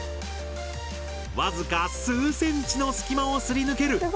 僅か数センチの隙間をすり抜ける